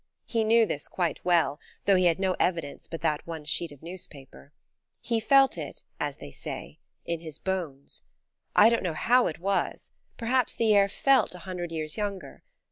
He knew this quite well, though he had no evidence but that one sheet of newspaper. He felt it, as they say, in his bones. I don't know how it was, perhaps the air felt a hundred years younger.